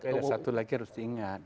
tapi ada satu lagi harus diingat